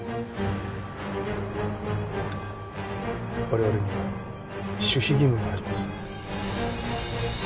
我々には守秘義務があります。